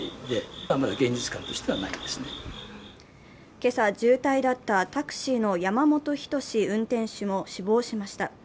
今朝、重体だったタクシーの山本斉運転手も死亡しました。